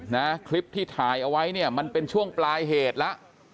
นะคลิปที่ถ่ายเอาไว้เนี่ยมันเป็นช่วงปลายเหตุแล้ว